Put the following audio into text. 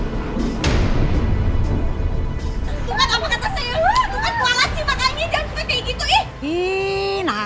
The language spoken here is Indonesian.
tu kan kualat sih makanya jangan kepik kayak gitu ih